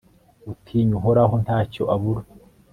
utinya uhoraho nta cyo abura